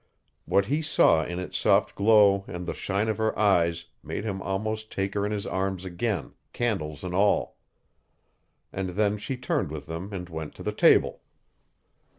What he saw in its soft glow and the shine of her eyes made him almost take her in his arms again, candles and all. And then she turned with them and went to the table.